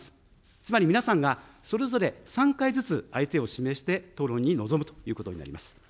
つまり皆さんが、それぞれ３回ずつ相手を指名して討論に臨むということになります。